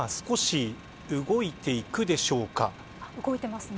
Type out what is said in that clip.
今、少し動いていくでしょうか。